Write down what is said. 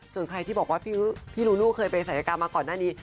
ส่วนใครที่บอกว่าพี่ลูลูเคยไปศัยกรรมมาก่อนหน้านี้